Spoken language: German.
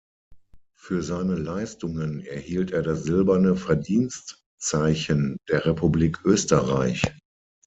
Für seine Leistungen erhielt er das Silberne Verdienstzeichen der Republik Österreich.